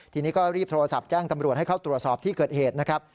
ทีนี้ก็รีบโทรศัพท์แจ้งตำรวจให้เข้าตรวจสอบที่เกิดเหตุนะครับ